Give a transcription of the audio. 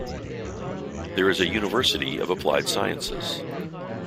There is a university of applied sciences.